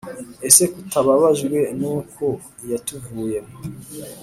ese k’utababajwe n` uko yatuvuyemo.